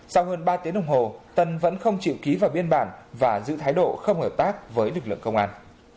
sau hơn ba tiếng đồng hồ tân vẫn không chịu ký vào biên bản và giữ thái độ không hợp tác với lực lượng công an